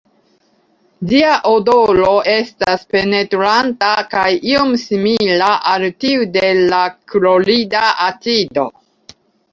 Ĝia odoro estas penetranta kaj iom simila al tiu de la klorida acido.